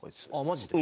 マジで？